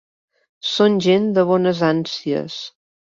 Són gent de bones ànsies.